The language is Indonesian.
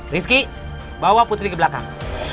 rizky bawa putri ke belakang